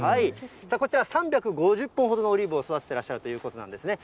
こちら、３５０本ほどのオリーブを育ててらっしゃるということなんですね。